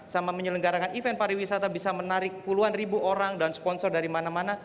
sama menyelenggarakan event pariwisata bisa menarik puluhan ribu orang dan sponsor dari mana mana